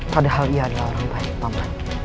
padahal ia adalah orang baik paman